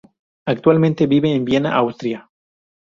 Actualmente vive en Viena, Austria.